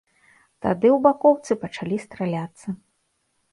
Тады ў бакоўцы пачалі страляцца.